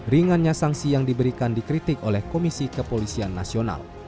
ringannya sanksi yang diberikan dikritik oleh komisi kepolisian nasional